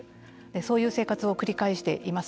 そういう生活を繰り返しています。